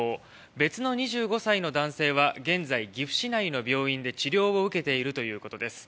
別の２５歳の男性は現在、岐阜市内の病院で治療を受けているということです。